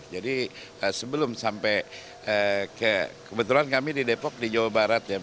sebelum sampai kebetulan kami di depok di jawa barat ya